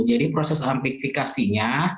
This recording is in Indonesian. jadi proses amplifikasinya